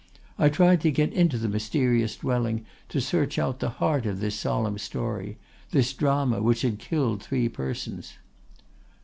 I tried to get into the mysterious dwelling to search out the heart of this solemn story, this drama which had killed three persons.